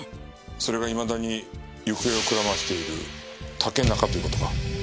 それがいまだに行方をくらましている竹中という事か。